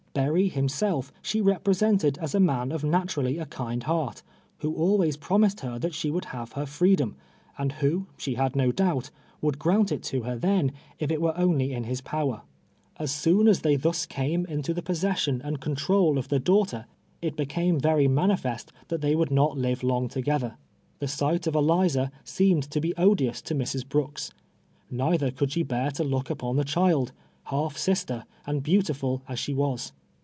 E^ii'i'v himself she re])resented as a man of naturally a kind heart, who always ]<romis ed her that she should have her freedom, and who, she had no doubt, would grant it to her then, if it were only in his power. As soon as they thus came TITE STOKT OF ELIZA. 53 into flic po?!sc?;sion and control of tlie danglitcr, it be came veiy manifest tliej wmdd not live long togetbcv. Tlie sight of Eliza seemed to be odi( »ns to Mrs. Brooks ; neither could slie bear to iook npou tbc cluld, balf sister, a;id lieantiful as she was